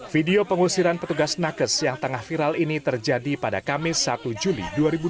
video pengusiran petugas nakes yang tengah viral ini terjadi pada kamis satu juli